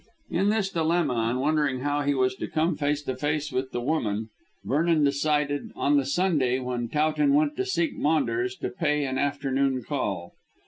In this dilemma, and wondering how he was to come face to face with the woman, Vernon decided, on the Sunday when Towton went to seek Maunders, to pay an afternoon call.